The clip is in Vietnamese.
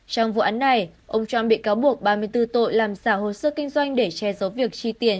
trong vụ án này ông trump bị cáo buộc ba mươi bốn tội làm xả hồn sức kinh doanh để che giấu việc chi tiền